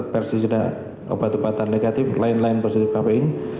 persisida obat obatan negatif lain lain positif kafein